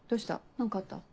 何かあった？